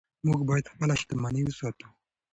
موږ باید خپله شتمني وساتو.